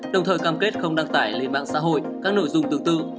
đồng thời cam kết không đăng tải lên mạng xã hội các nội dung tương tự